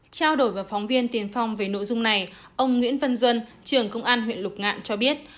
trao đổi với phóng viên tiền phong về nội dung này ông nguyễn văn duân trưởng công an huyện lục ngạn cho biết